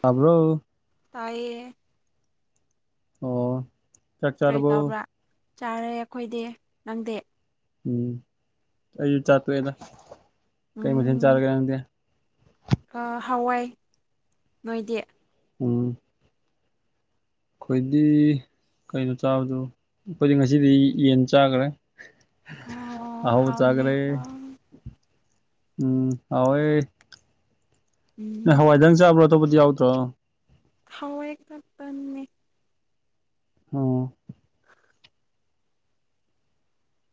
ꯇꯕ꯭ꯔꯣ ꯇꯥꯏꯌꯦ ꯑꯣ ꯆꯥꯛ ꯀꯔꯤ ꯆꯥꯔꯕꯣ ꯇꯧꯕ꯭ꯔꯥ ꯆꯥꯔꯦ ꯑꯩꯈꯣꯏꯗꯤ ꯅꯪꯗꯤ ꯎꯝ ꯑꯩꯗꯤ ꯆꯥꯇꯣꯛꯑꯦꯗ ꯀꯩ ꯃꯊꯦꯟ ꯆꯥꯔꯒꯦ ꯅꯪꯗꯤ ꯑ ꯍꯋꯥꯏ ꯅꯣꯏꯗꯤ ꯎꯝ ꯑꯩꯈꯣꯏꯗꯤ ꯀꯩꯅꯣ ꯆꯥꯕꯗꯨꯕꯣ ꯑꯩꯈꯣꯏꯗꯤ ꯉꯁꯤꯗꯤ ꯌꯦꯟ ꯆꯥꯒ꯭ꯔꯦ ꯑꯣ ꯑꯍꯥꯎꯕ ꯆꯥꯒ꯭ꯔꯦ ꯍꯥꯎꯅꯤꯀꯣ ꯎꯝ ꯍꯥꯎꯑꯦ ꯅꯣꯏ ꯎꯝ ꯍꯋꯥꯏꯗꯥꯪ ꯆꯕ꯭ꯔꯣ ꯑꯇꯣꯞꯄꯗꯤ ꯌꯥꯎꯗ꯭ꯔꯣ ꯍꯋꯥꯏ ꯈꯛꯇꯅꯦ ꯎꯝ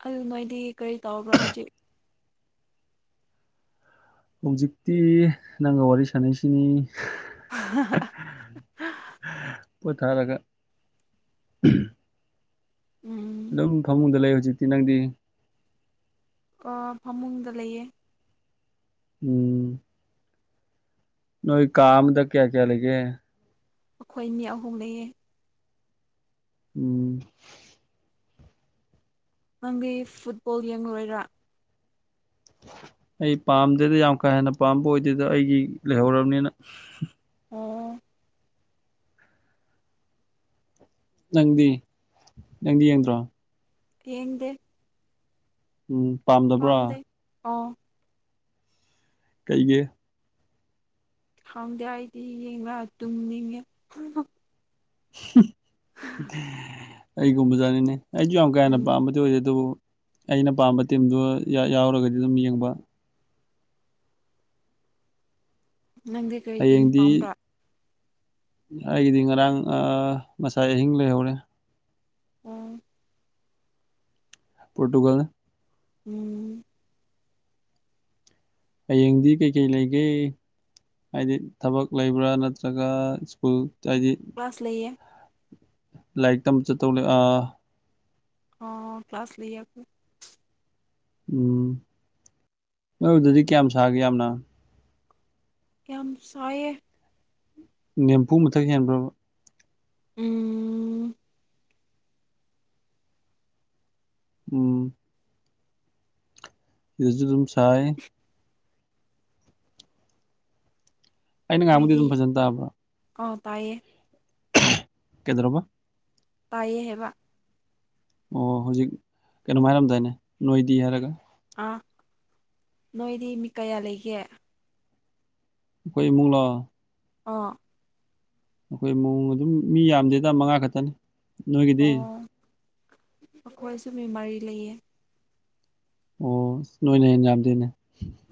ꯑꯗꯨ ꯅꯣꯏꯗꯤ ꯀꯔꯤ ꯇꯧꯕ꯭ꯔꯥ ꯍꯧꯖꯤꯛ ꯍꯧꯖꯤꯛꯇꯤ ꯅꯩꯒ ꯋꯥꯔꯤ ꯁꯥꯅꯩꯁꯤꯅꯤ [unintelligible] ꯀꯥꯏꯂꯩꯒꯦ ꯎꯝ ꯑꯗꯨꯝ ꯐꯃꯨꯡꯗ ꯂꯩ ꯍꯧꯖꯤꯛꯇꯤ ꯅꯪꯗꯤ ꯑꯣ ꯐꯃꯨꯡꯗ ꯂꯩꯌꯦ ꯎꯝ ꯅꯣꯏ ꯀꯥꯑꯃꯗ ꯀꯌꯥ ꯀꯌꯥ ꯂꯩꯒꯦ ꯑꯩꯈꯣꯏ ꯃꯤ ꯑꯍꯨꯝ ꯂꯩꯌꯦ ꯎꯝ ꯅꯪꯗꯤ ꯐꯨꯠꯕꯣꯜ ꯌꯦꯡꯂꯣꯏꯔ ꯑꯩ ꯄꯥꯝꯗꯦꯗ ꯌꯥꯝ ꯀꯥ ꯍꯦꯟꯅ ꯄꯥꯝꯕ ꯑꯣꯏꯗꯦꯗ ꯑꯩꯒꯤ ꯂꯩꯍꯧꯔꯕꯅꯤꯅ ꯑꯣ ꯅꯪꯗꯤ ꯅꯪꯗꯤ ꯌꯦꯡꯗ꯭ꯔꯣ ꯌꯦꯡꯗꯦ ꯎꯝ ꯄꯥꯝꯗꯕ꯭ꯔꯥ ꯄꯥꯝꯗꯦ ꯑꯣ ꯀꯩꯒꯤ ꯈꯪꯗꯦ ꯑꯩꯗꯤ [unintelligible] ꯇꯨꯝꯅꯤꯡꯉꯦ ꯍꯨꯝ ꯑꯩꯒꯨꯝꯕ ꯖꯠꯅꯤꯅꯦ ꯑꯩꯖꯨ ꯌꯥꯝ ꯀꯥ ꯍꯦꯟꯅ ꯎꯝ ꯄꯥꯝꯕꯗꯤ ꯑꯣꯏꯗꯦ ꯑꯗꯨꯕꯨ ꯑꯩꯅ ꯄꯥꯝꯕ ꯇꯤꯝꯗꯨ ꯌꯥꯎꯔꯒꯗꯤ ꯑꯗꯨꯝ ꯌꯦꯡꯕ ꯅꯪꯗꯤ ꯀꯔꯤ ꯇꯤꯝ ꯍꯌꯦꯡꯗꯤ ꯄꯥꯝꯕ꯭ꯔꯥ ꯑꯩꯒꯤꯗꯤ ꯉꯔꯥꯡ ꯑꯥ ꯉꯁꯥꯏ ꯑꯍꯤꯡ ꯂꯩꯍꯧꯔꯦ ꯑꯣ ꯄ꯭ꯔꯣꯇꯨꯒꯜꯅꯦ ꯎꯝ ꯍꯌꯦꯡꯗꯤ ꯀꯩꯀꯩ ꯂꯩꯒꯦ ꯍꯥꯏꯗꯤ ꯊꯕꯛ ꯂꯩꯕ꯭ꯔꯥ ꯅꯠꯇ꯭ꯔꯒ ꯁ꯭ꯀꯨꯜ ꯍꯥꯏꯗꯤ ꯀ꯭ꯂꯥꯁ ꯂꯩꯌꯦ ꯂꯥꯏꯔꯤꯛ ꯇꯝ ꯆꯠꯇꯧꯂꯩ ꯑꯥ ꯑꯣ ꯀ꯭ꯂꯥꯁ ꯂꯩ ꯑꯈꯣꯢ ꯎꯝ ꯅꯣꯏꯗꯗꯤ ꯀꯌꯥꯝ ꯁꯥꯒꯦ ꯌꯥꯝꯅ ꯀ꯭ꯌꯥꯝ ꯁꯥꯢꯌꯦ ꯅꯦꯝꯐꯨ ꯃꯊꯛ ꯍꯦꯟꯕ꯭ꯔꯕ ꯎꯝ ꯎꯝ ꯁꯤꯗꯁꯨꯗꯨꯝ ꯁꯥꯏ ꯑꯩꯅ ꯉꯥꯡꯕꯗꯤ ꯑꯗꯨꯝ ꯐꯖꯅ ꯇꯥꯕ꯭ꯔꯥ ꯑꯥ ꯇꯥꯏꯌꯦ ꯀꯩꯗ꯭ꯧꯔꯕ ꯇꯥꯏꯌꯦ ꯍꯥꯢꯕ ꯑꯣ ꯍꯧꯖꯤꯛ ꯀꯩꯅꯣꯝ ꯍꯥꯏꯔꯝꯗꯥꯏꯅꯦ ꯅꯣꯏꯗꯤ ꯍꯥꯏꯔꯒ ꯑ ꯅꯣꯏꯗꯤ ꯃꯤ ꯀꯌꯥ ꯂꯩꯒꯦ ꯈꯣꯢ ꯏꯃꯨꯡꯂꯣ ꯑꯣ ꯑꯩꯈꯣꯏ ꯃꯃꯨꯡ ꯑꯗꯨꯝ ꯃꯤ ꯌꯥꯝꯗꯦꯗ ꯃꯉꯥ ꯈꯛꯇꯅꯤ ꯅꯣꯏꯒꯤꯗꯤ ꯑꯣ ꯑꯩꯈꯣꯏꯁꯨ ꯃꯤ ꯃꯥꯔꯤ ꯂꯩꯌꯦ ꯑꯣ ꯅꯣꯏꯅ ꯍꯦꯟꯅ ꯌꯥꯝꯗꯦꯅꯦ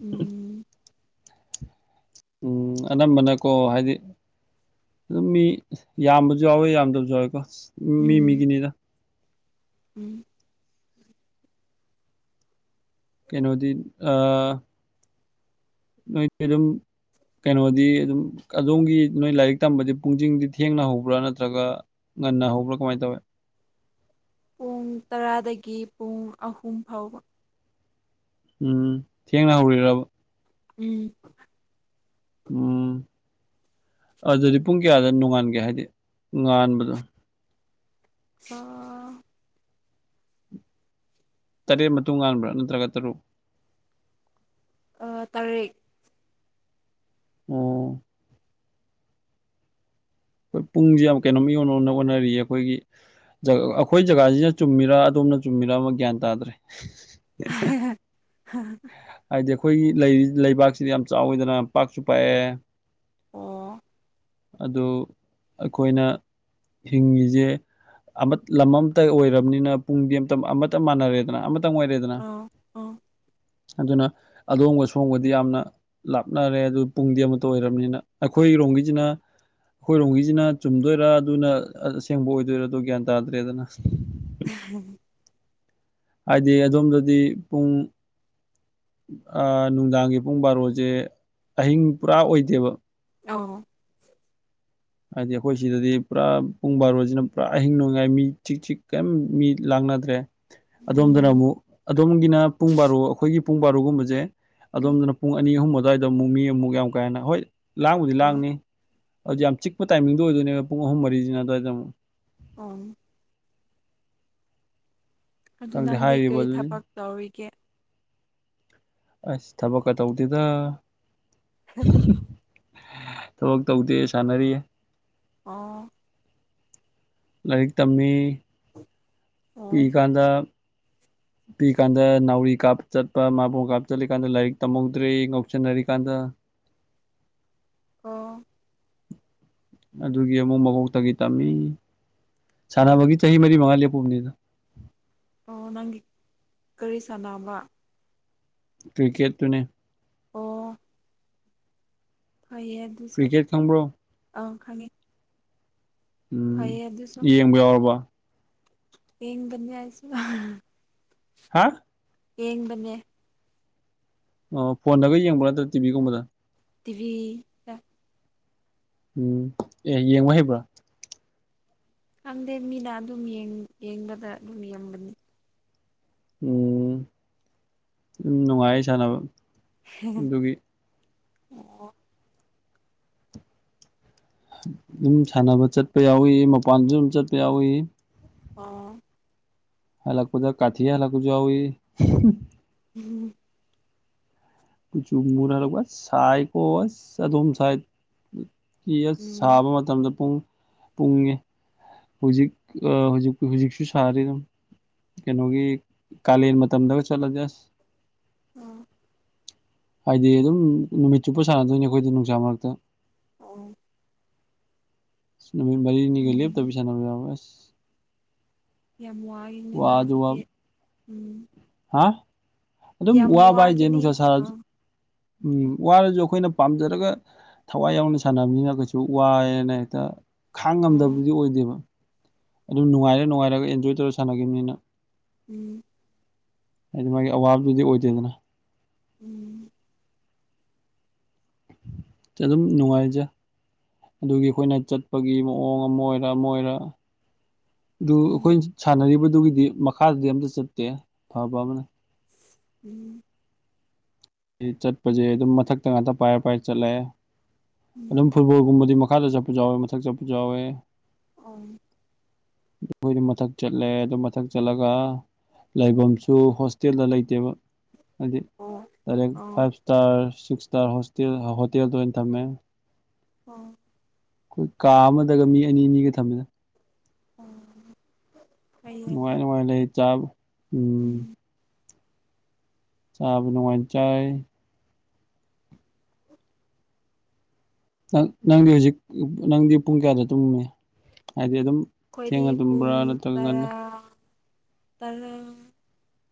ꯎꯝ ꯎꯝ ꯑꯅꯝꯕꯅꯀꯣ ꯍꯥꯏꯗꯤ ꯑꯗꯨꯝ ꯃꯤ ꯌꯥꯝꯕꯁꯨ ꯌꯥꯎꯋꯦ ꯌꯥꯝꯗꯕꯁꯨ ꯌꯥꯎꯋꯦꯀꯣ ꯃꯤ ꯎꯝ ꯃꯤꯒꯤꯅꯤꯗ ꯎꯝ ꯀꯩꯅꯣꯗꯤ ꯑ ꯅꯣꯏꯗꯤ ꯑꯗꯨꯝ ꯀꯩꯅꯣꯗꯤ ꯑꯗꯨꯝ ꯑꯗꯣꯝꯒꯤ ꯅꯣꯏ ꯂꯥꯏꯔꯤꯛ ꯇꯝꯕꯗꯤ ꯄꯨꯡꯖꯤꯡꯗꯤ ꯊꯦꯡꯅ ꯍꯧꯕ꯭ꯔꯥ ꯅꯠꯇ꯭ꯔꯒ ꯉꯟꯅ ꯍꯧꯕ꯭ꯔꯥ ꯀꯃꯥꯏ ꯇꯧꯋꯦ ꯄꯨꯡ ꯇꯔꯥꯗꯒꯤ ꯄꯨꯡ ꯑꯍꯨꯝ ꯐꯥꯎꯕ ꯎꯝ ꯊꯦꯡꯅ ꯍꯧꯔꯤꯔꯕ ꯎꯝ ꯑꯥ ꯑꯗꯨꯗꯤ ꯄꯨꯡ ꯀꯌꯥꯗ ꯅꯣꯡꯉꯥꯟꯒꯦ ꯍꯥꯏꯗꯤ ꯉꯥꯟꯕꯗꯣ ꯑ ꯇꯔꯦꯠ ꯃꯇꯨꯡ ꯉꯥꯟꯕ꯭ꯔꯥ ꯅꯠꯇ꯭ꯔꯒ ꯇꯔꯨꯛ ꯑ ꯇꯔꯦꯠ ꯑꯣ ꯄꯨꯡꯁꯦ ꯌꯥꯝ ꯀꯩꯅꯣꯝ ꯏꯑꯣꯟ ꯑꯣꯟꯅꯔꯤꯌꯦ ꯑꯩꯈꯣꯏꯒꯤ ꯖ ꯑꯩꯈꯣꯏ ꯖꯒꯥꯁꯤꯅ ꯆꯨꯝꯃꯤꯔꯥ ꯑꯗꯣꯝꯅ ꯆꯨꯝꯃꯤꯔꯥ ꯑꯃ ꯒ꯭ꯌꯥꯟ ꯇꯥꯗ꯭ꯔꯦ [inaudible] ꯍ ꯍꯥꯏꯗꯤ ꯑꯩꯈꯣꯏꯒꯤ ꯂꯩ ꯂꯩꯕꯥꯛꯁꯤꯗꯤ ꯌꯥꯝ ꯆꯥꯎꯋꯤꯗꯅ ꯄꯥꯛꯁꯨ ꯄꯥꯛꯑꯦ ꯑꯣ ꯑꯗꯨ ꯑꯩꯈꯣꯏꯅ ꯍꯤꯡꯉꯤꯁꯦ ꯑꯃ ꯂꯝ ꯑꯃꯇ ꯑꯣꯏꯔꯕꯅꯤꯅ ꯄꯨꯡꯗꯤ ꯑꯃꯇ ꯑꯃꯠꯇ ꯃꯥꯟꯅꯔꯦꯗꯅ ꯑꯃ ꯇꯪ ꯑꯣꯢꯔꯦꯗꯅ ꯑꯥ ꯑꯥ ꯑꯗꯨꯅ ꯑꯗꯣꯝꯒ ꯁꯣꯝꯒꯗꯤ ꯌꯥꯝꯅ ꯂꯥꯞꯅꯔꯦ ꯑꯗꯨ ꯄꯨꯡꯗꯤ ꯑꯃꯠꯇ ꯑꯣꯏꯔꯕꯅꯤꯅ ꯑꯩꯈꯣꯏ ꯔꯣꯝꯒꯤꯁꯤꯅ ꯑꯩꯈꯣꯏꯔꯣꯝꯒꯤꯁꯤꯅ ꯆꯨꯝꯗꯣꯏꯔꯥ ꯑꯗꯨꯅ ꯑꯁꯦꯡꯕ ꯑꯣꯏꯗꯣꯏꯔ ꯑꯗꯨ ꯒ꯭ꯌꯥꯟ ꯇꯥꯗ꯭ꯔꯦꯗꯅ ꯍꯍ ꯍꯥꯏꯗꯤ ꯑꯗꯣꯝꯗꯗꯤ ꯄꯨꯡ ꯑꯥ ꯅꯨꯡꯗꯥꯡꯒꯤ ꯄꯨꯡ ꯕꯥꯔꯣꯖꯦ ꯑꯍꯤꯡ ꯄꯨꯔꯥ ꯑꯣꯏꯗꯦꯕ ꯑꯥꯎ ꯍꯥꯏꯗꯤ ꯑꯩꯈꯣꯏ ꯁꯤꯗꯗꯤ ꯄꯨꯔꯥ ꯄꯨꯡ ꯕꯥꯔꯣꯁꯤꯅ ꯄꯨꯔꯥ ꯑꯍꯤꯡ ꯅꯨꯡꯉꯥꯏ ꯃꯤ ꯆꯤꯛ ꯆꯤꯛ ꯀꯔꯤꯝ ꯃꯤ ꯂꯥꯡ ꯅꯗ꯭ꯔꯦ ꯑꯗꯣꯝꯗꯅ ꯎꯝ ꯑꯃꯨꯛ ꯑꯗꯣꯝꯒꯤꯅ ꯄꯨꯡ ꯕꯥꯔꯣ ꯑꯩꯈꯣꯏꯒꯤ ꯄꯨꯡ ꯕꯥꯔꯣꯒꯨꯝꯕꯁꯦ ꯑꯗꯣꯝꯗꯅ ꯄꯨꯡ ꯑꯅꯤ ꯑꯍꯨꯝ ꯑꯗꯨꯋꯥꯏꯗ ꯑꯃꯨꯛ ꯃꯤ ꯑꯃꯨꯛ ꯌꯥꯝ ꯀꯥꯍꯦꯟꯅ ꯍꯣꯏ ꯂꯥꯡꯕꯨꯗꯤ ꯑꯥ ꯂꯥꯡꯅꯤ ꯑꯗꯨ ꯌꯥꯝ ꯆꯤꯛꯄ ꯇꯥꯏꯃꯤꯡꯗꯣ ꯑꯣꯏꯗꯣꯏꯅꯦꯕ ꯄꯨꯡ ꯑꯍꯨꯝ ꯃꯔꯤꯁꯤꯅ ꯑꯗꯨꯋꯥꯏꯗ ꯑꯃꯨꯛ ꯑꯣ ꯑꯗꯨ ꯈꯪꯗꯦ ꯅꯪꯗꯤ ꯍꯥꯏꯔꯤꯕ ꯀꯔꯤ ꯑꯗꯨꯅꯤ ꯊꯕꯛ ꯇꯧꯔꯤꯒꯦ ꯑꯁ ꯊꯕꯛꯀ ꯇꯧꯗꯦꯗ ꯍꯥꯍꯥꯍꯥ ꯊꯕꯛ ꯇꯧꯗꯦ ꯁꯥꯟꯅꯔꯤꯌꯦ ꯑꯣ ꯂꯥꯏꯔꯤꯛ ꯇꯝꯃꯤ ꯑꯣ ꯄꯤꯀꯥꯟꯗ ꯄꯤ ꯀꯥꯟꯗ ꯅꯥꯎꯔꯤ ꯀꯥꯞ ꯆꯠꯄ ꯃꯥꯕꯣꯜ ꯀꯥꯞ ꯆꯠꯂꯤꯀꯥꯟꯗ ꯂꯥꯏꯔꯤꯛ ꯇꯝꯍꯧꯗ꯭ꯔꯦ ꯉꯧꯎꯁꯟꯅꯔꯤꯀꯥꯟꯗ [inaudible] ꯑꯣ ꯑꯗꯨꯒꯤ ꯑꯃꯨꯛ ꯃꯀꯣꯛꯇꯒꯤ ꯇꯝꯃꯤ ꯑꯣ ꯁꯥꯟꯅꯕꯒꯤ ꯆꯍꯤ ꯃꯔꯤ ꯃꯉꯥ ꯂꯦꯞ ꯄꯨꯝꯅꯤꯗ ꯑꯣ ꯅꯪꯒꯤ ꯀꯔꯤ ꯁꯥꯟꯅꯕ ꯀ꯭ꯔꯤꯀꯦꯠꯇꯨꯅꯦ ꯑꯣ ꯐꯩꯌꯦ ꯑꯗꯨꯁꯨ ꯀ꯭ꯔꯤꯀꯦꯠ ꯈꯪꯕ꯭ꯔꯣ ꯑꯪ ꯈꯪꯉꯤ ꯎꯝ ꯌꯦꯡꯕ ꯌꯥꯎꯔꯕꯣ ꯌꯦꯡꯕꯅꯤ ꯑꯩꯁꯨ ꯍꯥ ꯌꯦꯡꯕꯅꯦ ꯑꯣ ꯐꯣꯟꯗꯒ ꯌꯦꯡꯕ꯭ꯔꯥ ꯅꯠꯇ꯭ꯔ ꯇꯤꯚꯤꯒꯨꯝꯕꯗ ꯇꯤꯚꯤꯗ ꯎꯝ ꯑꯦ ꯌꯦꯡꯕ ꯍꯩꯕ꯭ꯔꯥ ꯈꯪꯗꯦ ꯃꯤꯅ ꯑꯗꯨꯝ ꯌꯦꯡ ꯌꯦꯡꯕꯗ ꯑꯗꯨꯝ ꯌꯦꯡꯕꯅꯤ ꯎꯝ ꯅꯨꯡꯉꯥꯏ ꯁꯥꯟꯅꯕ ꯑꯗꯨꯒꯤ ꯑꯣ ꯑꯗꯨꯝ ꯁꯥꯟꯅꯕ ꯆꯠꯄ ꯌꯥꯎꯏ ꯃꯄꯥꯟꯁꯨ ꯑꯗꯨꯝ ꯆꯠꯄ ꯌꯥꯎꯏ ꯑꯣ ꯍꯂꯛꯄꯗ ꯀꯥꯊꯦꯛꯑꯒ ꯍꯂꯛꯄꯁꯨ ꯌꯥꯎꯏ ꯎꯝ ꯀꯨꯆꯨ ꯃꯨꯔ ꯍꯂꯛꯄ ꯑꯁ ꯁꯥꯏꯀꯣ ꯑꯁ ꯑꯗꯨꯝ ꯁꯥꯏ ꯎꯝ ꯁꯥꯕ ꯃꯇꯝꯗ ꯄꯨꯡ ꯄꯨꯡ ꯍꯧꯖꯤꯛ ꯑꯥ ꯍꯧꯖꯤꯛ ꯍꯧꯖꯤꯛꯁꯨ ꯁꯥꯔꯤꯦ ꯑꯗꯨꯝ ꯀꯩꯅꯣꯒꯤ ꯀꯥꯂꯦꯟ ꯃꯇꯝꯗ ꯆꯠꯂꯗꯤ ꯑꯁ ꯎꯝ ꯍꯥꯏꯗꯤ ꯑꯗꯨꯝ ꯅꯨꯃꯤꯠ ꯆꯨꯞꯄ ꯁꯥꯟꯅꯗꯣꯏꯅꯤ ꯑꯩꯈꯣꯏꯗꯤ ꯅꯨꯡꯁꯥ ꯃꯔꯛꯇ ꯑꯣ ꯅꯨꯃꯤꯠ ꯃꯔꯤꯅꯤꯒ ꯎꯝ ꯂꯦꯞꯇꯕꯤ ꯁꯥꯟꯅꯕ ꯌꯥꯎꯏ ꯑꯁ ꯌꯥꯝ ꯋꯥꯏꯅꯤꯅ ꯋꯥꯁꯨ ꯋꯥ ꯑꯗꯨꯗꯤ ꯎꯝ ꯍꯥ ꯑꯗꯨꯝ ꯌꯥꯝ ꯋꯥꯕ ꯍꯥꯏꯁꯦ ꯋꯥꯒꯤꯅꯤ ꯅꯨꯡꯁꯥ ꯁꯥꯔꯁꯨ ꯑꯥ ꯎꯝ ꯋꯥꯔꯁꯨ ꯑꯩꯈꯣꯏꯅ ꯄꯥꯝꯖꯔꯒ ꯊꯋꯥꯏ ꯌꯥꯎꯅ ꯁꯥꯟꯅꯕꯅꯤꯅ ꯀꯩꯁꯨ ꯋꯥꯌꯦꯅ ꯍꯦꯛꯇ ꯈꯥꯡ ꯑꯣ ꯉꯝꯗꯕꯗꯨꯗꯤ ꯑꯣꯏꯗꯦꯕ ꯑꯗꯨꯝ ꯅꯨꯡꯉꯥꯏꯔ ꯅꯨꯡꯉꯥꯏꯔꯒ ꯑꯦꯟꯖꯣꯏ ꯇꯧꯔ ꯁꯥꯟꯅꯈꯤꯕꯅꯤꯅ ꯎꯝ ꯍꯥꯏꯗꯤ ꯃꯥꯒꯤ ꯑꯋꯥꯕꯗꯨꯗꯤ ꯑꯣꯏꯗꯦꯗꯅ ꯎꯝ ꯑꯗꯨꯝ ꯅꯨꯡꯉꯥꯏꯖ ꯑꯗꯨꯒꯤ ꯑꯩꯈꯣꯏꯅ ꯆꯠꯄꯒꯤ ꯃꯑꯣꯡ ꯑꯃ ꯑꯣꯏꯔ ꯑꯃ ꯑꯣꯏꯔ ꯑꯗꯨ ꯑꯩꯈꯣꯏ ꯎꯝ ꯁꯥꯟꯅꯔꯤꯕꯗꯨꯒꯤꯗꯤ ꯃꯈꯥꯗꯗꯤ ꯑꯝꯇ ꯆꯠꯇꯦ ꯐꯕ ꯑꯃꯅ ꯎꯝ ꯆꯠꯄꯁꯦ ꯑꯗꯨꯝ ꯃꯊꯛꯇ ꯉꯥꯛꯇ ꯄꯥꯏꯔ ꯄꯥꯏꯔ ꯆꯠꯂꯦ ꯎꯝ ꯑꯗꯨꯝ ꯐꯨꯠꯕꯣꯜꯒꯨꯝꯕꯗꯤ ꯃꯈ ꯃꯈꯥꯗ ꯆꯠꯄꯁꯨ ꯌꯥꯎꯋꯦ ꯃꯊꯛ ꯆꯠꯄꯁꯨ ꯌꯥꯎꯋꯦ ꯑꯣ ꯑꯩꯈꯣꯏꯗꯤ ꯃꯊꯛ ꯆꯠꯂꯦ ꯑꯗꯨ ꯃꯊꯛ ꯆꯠꯂꯒ ꯂꯩꯥꯕꯁꯨ ꯍꯣꯁꯇꯦꯜꯗ ꯂꯩꯇꯦꯕ ꯍꯥꯏꯗꯤ ꯑꯣ ꯗꯥꯏꯔꯦꯛ ꯑꯣ five star six star hostel ꯍꯥ ꯍꯣꯇꯦꯜꯗ ꯑꯣꯏꯅ ꯊꯝꯃꯦ ꯑ ꯑꯩꯈꯣꯏ ꯀꯥ ꯑꯃꯗꯒ ꯃꯤ ꯑꯅꯤ ꯑꯅꯤꯒ ꯊꯝꯃꯦ ꯎꯃ ꯅꯨꯡꯉꯥꯏꯅꯨꯡꯉꯥꯏ ꯂꯩ ꯆꯥꯕ ꯎꯝ ꯆꯥꯕ ꯅꯨꯡꯉꯥꯏꯅ ꯆꯥꯏ ꯅꯪꯗꯤ ꯍꯧꯖꯤꯛ ꯅꯪꯗꯤ ꯄꯨꯡ ꯀꯌꯥꯗ ꯇꯨꯝꯅꯤ ꯍꯥꯏꯗꯤ ꯑꯗꯨꯝ ꯑꯩꯈꯣꯏꯗꯤ ꯊꯦꯡꯅ ꯄꯨꯡ ꯇꯨꯝꯕ꯭ꯔꯥ ꯅꯠꯇ꯭ꯔꯒ ꯉꯟꯅ ꯇꯔꯥ ꯇꯔꯥ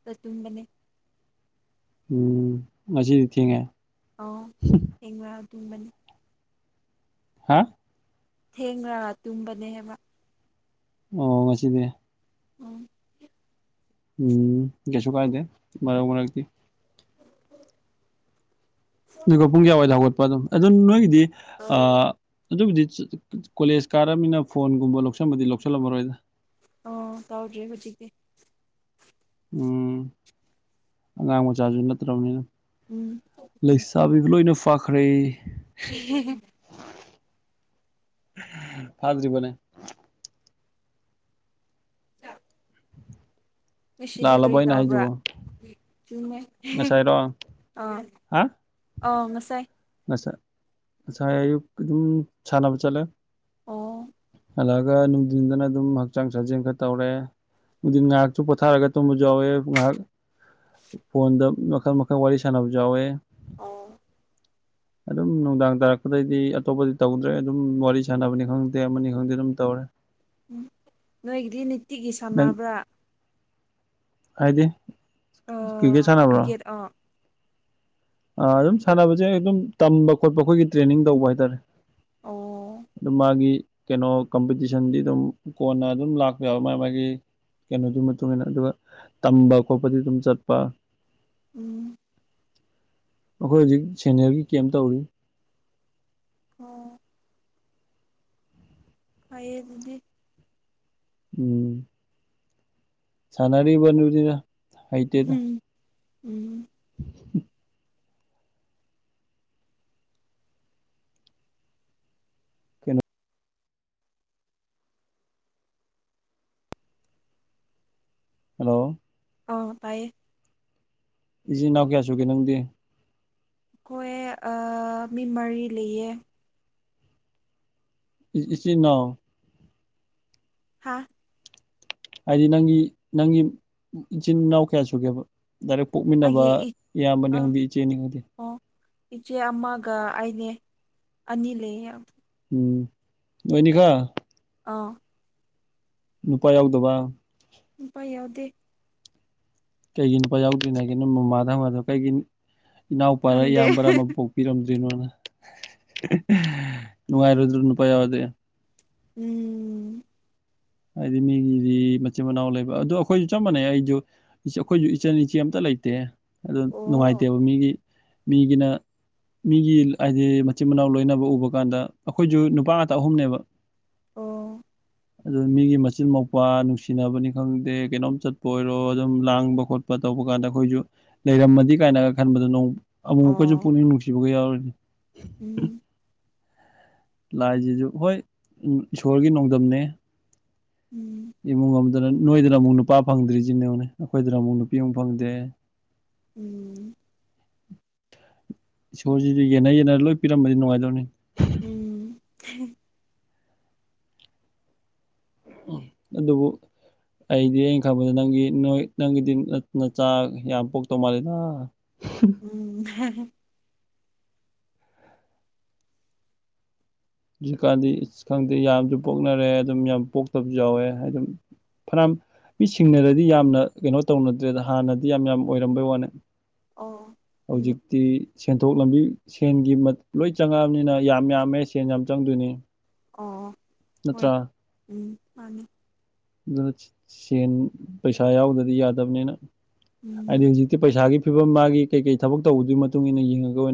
ꯗ ꯇꯨꯝꯕꯅꯦ ꯎꯝ ꯉꯁꯤꯗꯤ ꯊꯦꯡꯉꯦ ꯑꯣ ꯊꯦꯡꯂꯇꯨꯝꯕꯅꯤ [inaudible] ꯍꯥ ꯊꯦꯡꯅ ꯇꯨꯝꯕꯥꯅꯦ ꯍꯥꯏꯕ ꯑꯣ ꯉꯁꯤꯗꯤ ꯎꯝ ꯎꯝ ꯀꯩꯁꯨ ꯀꯥꯏꯗꯦ ꯃꯔꯛ ꯃꯔꯛꯇꯤ ꯉꯥꯏꯈꯣ ꯄꯨꯡ ꯀꯌꯥꯋꯥꯏꯗ ꯍꯧꯒꯠꯄ ꯑꯗꯨꯝ ꯑꯗꯨ ꯅꯣꯏꯒꯤꯗꯤ ꯑꯥ ꯑꯗꯨꯕꯨꯗꯤ ꯀꯣꯂꯦꯖ ꯀꯥꯔꯕꯃꯤꯅ ꯐꯣꯟꯒꯨꯝꯕ ꯂꯧꯁꯟꯕꯗꯤ ꯂꯧꯁꯜꯂꯝꯃꯔꯣꯏꯗ ꯑꯣ ꯇꯧꯗ꯭ꯔꯤ ꯍꯧꯖꯤꯛꯇꯤ ꯎꯝ ꯑꯉꯥꯡ ꯃꯆꯥꯁꯨ ꯅꯠꯇ꯭ꯔꯕꯅꯤꯅ ꯎꯝ ꯂꯩꯁꯥꯕꯤꯕꯨ ꯂꯣꯏꯅ ꯐꯥꯈ꯭ꯔꯦ [unintelligible] ꯐꯗ꯭ꯔꯤꯕꯅꯦ ꯉꯁꯤꯗꯤ ꯂꯥꯜꯂꯕꯣ ꯀꯔꯤ ꯑꯩꯅ ꯇꯥꯎꯕ꯭ꯔꯥ ꯍꯥꯏꯁꯤꯕꯣ ꯆꯨꯝꯃꯦ ꯉꯁꯥꯏꯔꯣ ꯍꯥ ꯑꯧ ꯉꯁꯥꯏ ꯉꯁꯥꯏ ꯑꯌꯨꯛ ꯑꯗꯨꯝ ꯁꯥꯟꯅꯕ ꯆꯠꯂꯦ ꯑꯣ ꯍꯜꯂꯑꯒ ꯅꯨꯡꯗꯤꯟꯗꯅ ꯑꯗꯨꯝ ꯍꯛꯆꯥꯡ ꯁꯥꯖꯦꯟ ꯈꯔ ꯇꯧꯔꯦ ꯅꯨꯡꯗꯤꯟ ꯉꯥꯏꯍꯥꯛꯁꯨ ꯄꯣꯊꯥꯔꯒ ꯇꯨꯝꯕꯁꯨ ꯌꯥꯎꯋꯦ ꯉꯥꯏꯍꯥꯛ ꯐꯣꯟꯗ ꯃꯈꯜ ꯃꯈꯜ ꯋꯥꯔꯤ ꯁꯥꯟꯅꯕꯁꯨ ꯌꯥꯎꯋꯦ ꯑꯣ [inaudible] ꯑꯗꯨꯝ ꯅꯨꯡꯗꯥꯡ ꯇꯥꯔꯛꯄꯗꯩꯗꯤ ꯑꯇꯣꯞꯄꯗꯤ ꯇꯧꯗ꯭ꯔꯦ ꯑꯗꯨꯝ ꯋꯥꯔꯤ ꯁꯥꯟꯅꯕꯅꯤ ꯈꯪꯗꯦ ꯑꯃꯅꯤ ꯈꯪꯗꯦ ꯑꯗꯨꯝ ꯇꯧꯔꯦ ꯎꯝ ꯅꯣꯏꯒꯤꯗꯤ ꯅꯤꯇꯤꯒꯤ ꯅꯪ ꯁꯥꯟꯅꯕ꯭ꯔꯥ ꯍꯥꯏꯗꯤ ꯀꯔꯤꯀꯦꯠ ꯑꯥ ꯁꯥꯅꯕꯔꯣ ꯀ꯭ꯔꯤꯀꯦꯠ ꯑꯥ ꯑꯥ ꯑꯗꯨꯝ ꯁꯥꯟꯅꯕꯁꯦ ꯑꯗꯨꯝ ꯇꯝꯕ ꯈꯣꯠꯄ ꯑꯈꯣꯏꯒꯤ ꯇ꯭ꯔꯦꯅꯤꯡ ꯇꯧꯕ ꯍꯥꯏꯇꯥꯔꯦ ꯑꯣ ꯑꯗꯨ ꯃꯥꯒꯤ ꯀꯩꯅꯣ ꯀꯝꯄꯤꯇꯤꯁꯟꯗꯤ ꯑꯗꯨꯝ ꯀꯣꯟꯅ ꯑꯗꯨꯝ ꯂꯥꯛꯄ ꯌꯥꯎꯋꯦ ꯃꯥꯒꯤ ꯃꯥꯒꯤ ꯀꯩꯅꯣꯗꯨꯢ ꯃꯇꯨꯡꯏꯟꯅ ꯑꯗꯨꯒ ꯇꯝꯕ ꯈꯣꯠꯄꯗꯤ ꯑꯗꯨꯝ ꯆꯠꯄ ꯎꯝ ꯑꯩꯈꯣꯏ ꯍꯧꯖꯤꯛ ꯁꯦꯅꯤꯌꯔꯒꯤ ꯀꯦꯝ ꯇꯧꯔꯤ ꯑꯣ ꯐꯩꯌꯦ ꯗꯨꯗꯤ ꯎꯝ ꯁꯥꯅꯔꯤꯕꯗꯨꯅꯤꯗ ꯍꯩꯇꯦꯗ ꯎꯝ ꯎꯝ ꯑꯝꯍꯝ ꯀꯩꯅꯣ ꯍꯜꯂꯣ ꯑꯣ ꯇꯥꯏꯌꯦ ꯏꯆꯤꯟ ꯏꯅꯥꯎ ꯀꯌꯥ ꯁꯨꯒꯦ ꯅꯪꯗꯤ ꯑꯩꯈꯣꯏ ꯑꯥ ꯃꯤ ꯃꯔꯤ ꯂꯩꯌꯦ ꯏ ꯏꯆꯤꯟ ꯅꯥꯎ ꯍꯥꯥ ꯍꯥꯏꯗꯤ ꯅꯪꯒꯤ ꯅꯪꯒꯤ ꯏꯆꯤꯟ ꯏꯅꯥꯎ ꯀꯌꯥ ꯁꯨꯒꯦꯕ ꯗꯥꯏꯔꯦꯛ ꯑꯩꯒꯤ ꯄꯣꯛꯃꯤꯟꯅꯕ ꯏ ꯏꯌꯥꯝꯕꯅꯤ ꯑ ꯈꯪꯗꯦ ꯏꯆꯦꯅꯤ ꯈꯪꯗꯦ ꯑꯣ ꯏꯆꯦ ꯑꯃꯒ ꯑꯩꯅꯦ ꯑꯅꯤ ꯂꯩꯌꯦ ꯎꯝ ꯅꯣꯢꯅꯤꯈꯛ ꯑꯥ ꯅꯨꯄꯥ ꯌꯥꯎꯗꯕ ꯗꯦ ꯀꯩꯒꯤ ꯅꯨꯄꯥ ꯌꯥꯎꯗ꯭ꯔꯤꯅꯦ ꯍꯥꯏꯒꯦ ꯅꯣꯢ ꯃꯃꯥꯗ ꯍꯪꯉꯨ ꯌꯥꯗ꯭ꯔꯣ ꯀꯩꯒꯤ ꯏꯅꯥꯎꯄꯥꯔ ꯈꯪꯗꯦ ꯏꯌꯥꯝꯕꯔ ꯑꯃ ꯄꯣꯛꯄꯤꯔꯝ ꯗ꯭ꯔꯤꯅꯣꯅ ꯍꯥꯍꯥ ꯅꯨꯡꯉꯥꯏꯔꯣꯢꯗ꯭ꯔꯣ ꯅꯨꯄꯥ ꯌꯥꯎꯔꯗꯤ ꯎꯝ ꯍꯥꯏꯗꯤ ꯃꯤꯒꯤꯗꯤ ꯃꯆꯤꯟ ꯃꯅꯥꯎ ꯂꯩꯕ ꯑꯗꯨ ꯑꯩꯈꯣꯏꯁꯨ ꯆꯞ ꯃꯥꯟꯅꯩ ꯑꯩꯁꯨ ꯑꯩꯈꯣꯏꯁꯨ ꯏꯆꯟ ꯏꯆꯦ ꯑꯝꯇ ꯂꯩ ꯂꯩꯇꯦ ꯑꯗꯣ ꯑꯣ ꯅꯨꯡꯉꯥꯏꯇꯦꯕ ꯃꯤꯒꯤ ꯃꯤꯒꯤꯅ ꯃꯤꯒꯤ ꯍꯥꯏꯗꯤ ꯃꯆꯤꯟ ꯃꯅꯥꯎ ꯂꯣꯏꯅꯕ ꯎꯕ ꯀꯥꯟꯗ ꯑꯩꯈꯣꯏꯁꯨ ꯅꯨꯄꯥ ꯉꯥꯛꯇ ꯑꯍꯨꯝꯅꯦꯕ ꯑꯣ ꯑꯗꯨ ꯃꯤꯒꯤ ꯃꯆꯤꯟ ꯃꯧꯄꯥ ꯅꯨꯡꯁꯤꯅꯕꯅꯤ ꯈꯪꯗꯦ ꯀꯩꯅꯣꯝ ꯆꯠꯄ ꯑꯣꯏꯔꯣ ꯑꯗꯨꯝ ꯂꯥꯡꯕ ꯈꯣꯠꯄ ꯇꯧꯕ ꯑꯗꯨ ꯀꯥꯟꯗ ꯑꯩꯈꯣꯏꯁꯨ ꯂꯩꯔꯝꯃꯗꯤ ꯀꯥꯏꯅꯒ ꯈꯟꯕꯗꯣ ꯑꯃꯨꯃꯨꯛꯀꯁꯨ ꯑꯣ ꯄꯨꯛꯅꯤꯡ ꯅꯨꯡꯁꯤꯕꯒ ꯌꯥꯎꯔꯤꯅꯤ ꯎꯝ ꯂꯥꯏꯖꯤꯖꯨ ꯍꯣꯏ ꯏꯁꯣꯔꯒꯤ ꯅꯣꯡꯗꯝꯅꯦ ꯎꯝ ꯏꯃꯨꯡ ꯑꯃꯗꯅ ꯅꯣꯏꯗꯅ ꯑꯃꯨꯛ ꯅꯨꯄꯥ ꯐꯪꯗ꯭ꯔꯤꯁꯤꯅꯦ ꯌꯦꯡꯉꯨꯅꯦ ꯑꯩꯈꯣꯏꯗꯅ ꯑꯃꯨꯛ ꯅꯨꯄꯤ ꯑꯃꯨꯛ ꯐꯪꯗꯦ ꯎꯝ ꯏꯁꯣꯔꯖꯤꯖꯨ ꯌꯦꯟꯅ ꯌꯦꯟꯅꯔ ꯂꯣꯏ ꯄꯤꯔꯝꯃꯗꯤ ꯅꯨꯡꯉꯥꯏꯗꯧꯅꯦ ꯎꯝ ꯑꯗꯨꯕꯨ ꯑꯩꯗꯤ ꯑꯩꯅ ꯈꯪꯕꯗ ꯅꯪꯒꯤ ꯅꯣꯏ ꯅꯪꯒꯤꯗꯤ ꯅꯆꯥ ꯌꯥꯝ ꯄꯣꯛꯇꯧ ꯃꯥꯜꯂꯤꯗ ꯎꯝ ꯍꯧꯖꯤꯛꯀꯥꯟꯗꯤ ꯏꯁ ꯈꯪꯗꯦ ꯌꯥꯝꯁꯨ ꯄꯣꯛꯅꯔꯦ ꯑꯗꯨꯝ ꯌꯥꯝ ꯄꯣꯛꯇꯕꯁꯨ ꯌꯥꯎꯋꯦ ꯍꯥꯏ ꯑꯗꯨꯝ ꯐꯅꯌꯥꯝ ꯃꯤꯁꯤꯡꯅꯔꯗꯤ ꯌꯥꯝꯅ ꯀꯩꯅꯣ ꯇꯧꯅꯗ꯭ꯔꯦꯗ ꯍꯥꯟꯅꯗꯤ ꯌꯥꯝ ꯌꯥꯝ ꯑꯣꯏꯔꯝꯕꯩ ꯋꯥꯅꯦ ꯑꯣ ꯍꯧꯖꯤꯛꯇꯤ ꯁꯦꯟꯊꯣꯛ ꯂꯝꯕꯤ ꯁꯦꯟꯒꯤ ꯂꯣꯏ ꯆꯪꯉꯛꯑꯕꯅꯤꯅ ꯌꯥꯝ ꯌꯥꯝꯃꯦ ꯁꯦꯟ ꯌꯥꯝ ꯆꯪꯗꯣꯏꯅꯤ ꯑꯣ ꯍꯣꯏ ꯅꯠꯇ꯭ꯔꯥ ꯎꯝ ꯃꯥꯅꯤ ꯑꯗꯨꯅ ꯁꯦꯟ ꯄꯩꯁꯥ ꯌꯥꯎꯗꯗꯤ ꯌꯥꯗꯕꯅꯤꯅ ꯎꯝ ꯍꯥꯏꯗꯤ ꯍꯧꯖꯤꯛꯇꯤ ꯄꯩꯁꯥꯒꯤ ꯐꯤꯕꯝ ꯃꯥꯒꯤ ꯀꯩꯀꯩ ꯊꯕꯛ ꯇꯧꯕꯗꯨꯒꯤ ꯃꯇꯨꯡ ꯏꯟꯅ ꯌꯦꯡꯉꯒ ꯑꯣꯏꯅ